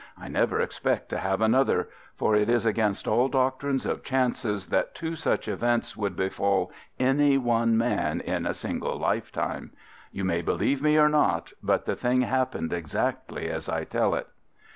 I never expect to have another, for it is against all doctrines of chances that two such events would befall any one man in a single lifetime. You may believe me or not, but the thing happened exactly as I tell it.